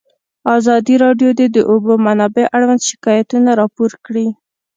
ازادي راډیو د د اوبو منابع اړوند شکایتونه راپور کړي.